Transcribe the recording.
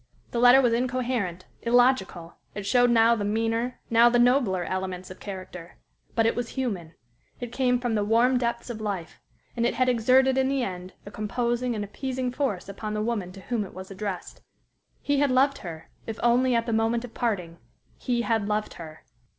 The letter was incoherent, illogical; it showed now the meaner, now the nobler elements of character; but it was human; it came from the warm depths of life, and it had exerted in the end a composing and appeasing force upon the woman to whom it was addressed. He had loved her if only at the moment of parting he had loved her!